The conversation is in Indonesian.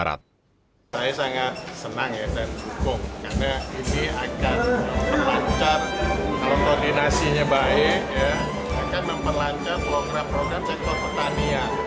saya sangat senang dan dukung karena ini akan melancar koordinasinya baik akan memelancar program program sektor pertanian